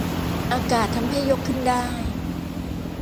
อากาศทำให้ยกขึ้นได้